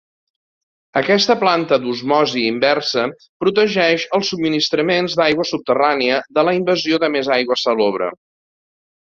Aquesta planta d'osmosi inversa protegeix els subministraments d'aigua subterrània de la invasió de més aigua salobre.